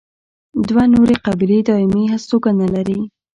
دوه نورې قبیلې دایمي هستوګنه لري.